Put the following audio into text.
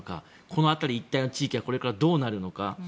この辺り一帯の地域はこれからどうなるのか。